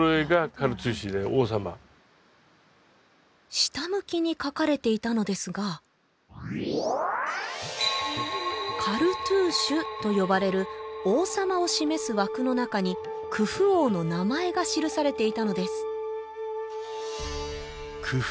下向きに書かれていたのですがカルトゥーシュと呼ばれる王様を示す枠の中にクフ王の名前が記されていたのですクフ